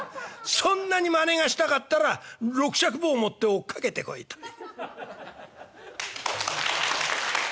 そんなにまねがしたかったら六尺棒持って追っかけてこい」という。